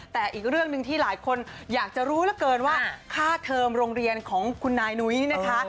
แต่อีกเรื่องหนึ่งที่หลายคนอยากจะรู้เหลือเกินว่าค่าเทอมโรงเรียนของคุณนายนุ้ยนะคะ